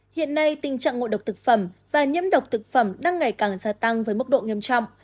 hiện nay tình trạng ngộ độc thực phẩm và nhiễm độc thực phẩm đang ngày càng gia tăng với mức độ nghiêm trọng